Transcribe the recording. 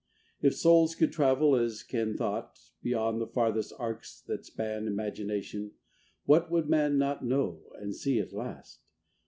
II If souls could travel as can thought, Beyond the farthest arcs that span Imagination, what would man Not know and see at last?